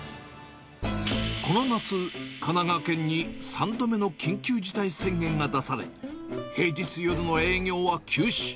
この夏、神奈川県に３度目の緊急事態宣言が出され、平日夜の営業は休止。